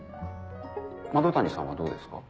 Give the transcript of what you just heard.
マド谷さんはどうですか？